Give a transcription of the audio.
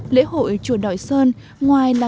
lễ hội chùa đoại sơn ngoài là